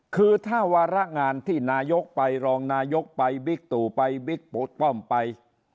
คือถ้าวาระงานที่นายกไปรองนายกไปบิ๊กตู่ไปบิ๊กปูป้อมไป